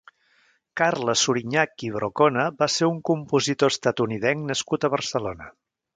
Carles Suriñach i Wrokona va ser un compositor estatunidenc nascut a Barcelona.